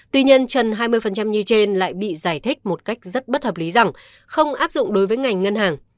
tuy nhiên trần hai mươi như trên lại bị giải thích một cách rất bất hợp lý rằng không áp dụng đối với ngành ngân hàng